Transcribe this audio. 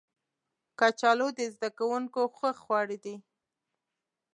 کچالو د زده کوونکو خوښ خواړه دي